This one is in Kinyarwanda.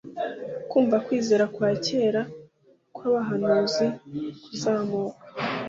kumva kwizera kwa kera kwabahanuzi kuzamuka